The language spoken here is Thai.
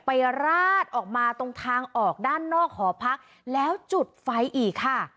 ราดออกมาตรงทางออกด้านนอกหอพักแล้วจุดไฟอีกค่ะ